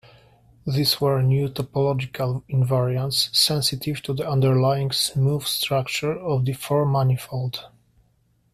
These were new topological invariants sensitive to the underlying smooth structure of the four-manifold.